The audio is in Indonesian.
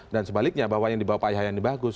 dan sebaliknya bahwa yang dibawa pak ayhani bagus